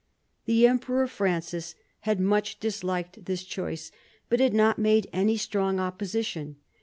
The Emperor Francis had much disliked this choice, but had not made any strong opposition.